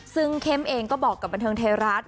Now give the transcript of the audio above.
ซึ่งเข้มเองก็บอกกับบันเทิงไทยรัฐ